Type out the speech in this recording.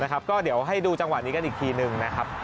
ก็เดี๋ยวให้ดูจังหวะนี้กันอีกทีนึงนะครับ